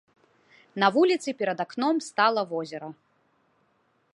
На вуліцы перад акном стала возера.